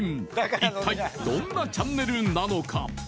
一体どんなチャンネルなのか？